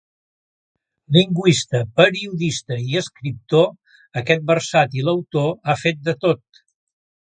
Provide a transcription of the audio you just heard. Lingüista, periodista i escriptor, aquest versàtil autor ha fet de tot.